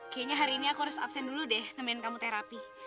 kayaknya hari ini aku harus absen dulu deh nemenin kamu terapi